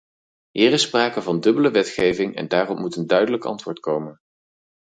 Hier is sprake van dubbele wetgeving en daarop moet een duidelijk antwoord komen.